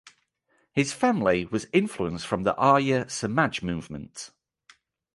His family was influenced from Arya Samaj movement.